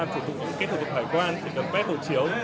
thủ tục những kết hợp thải quan thủ tục phép hộ chiếu